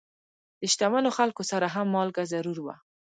د شتمنو خلکو سره هم مالګه ضرور وه.